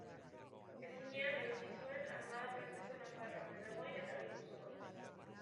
Ezinean eduki zuen armada frantsesa Nafarroan, Aragoin eta Gipuzkoan.